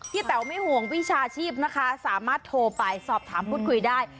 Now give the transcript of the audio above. แต๋วไม่ห่วงวิชาชีพนะคะสามารถโทรไปสอบถามพูดคุยได้